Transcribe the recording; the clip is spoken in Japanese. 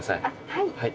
はい。